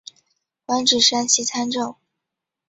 官至山西参政。